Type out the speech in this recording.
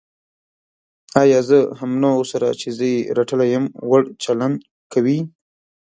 ایا زما همنوعو سره چې زه یې رټلی یم، وړ چلند کوې.